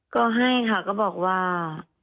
ก็ให้ค่ะก็บอกว่า